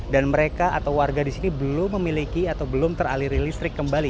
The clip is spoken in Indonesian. dan mereka atau warga di sini belum memiliki atau belum teraliri listrik kembali